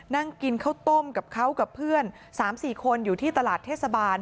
นั่งกินข้าวต้มกับเขากับเพื่อน๓๔คนอยู่ที่ตลาดเทศบาล